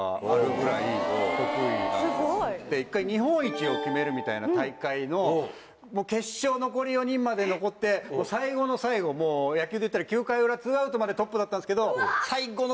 一回日本一を決めるみたいな大会の決勝残り４人まで残って最後の最後野球でいったら９回裏２アウトまでトップだったんですけど。